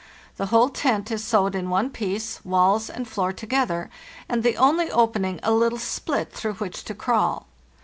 The whole tent is sewed in one piece, walls and floor together, and the only opening a little split through which to crawl.